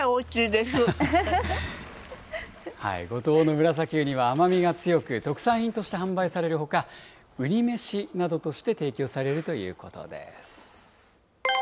ムラサキウニは甘みが強く、特産品として販売されるほか、ウニ飯などとして提供されるということです。